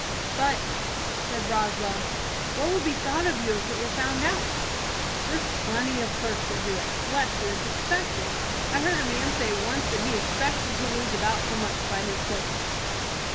"But," said Roswell, "what would be thought of you if it were found out?" "There's plenty of clerks that do it. Bless you, it's expected. I heard a man say once that he expected to lose about so much by his clerks."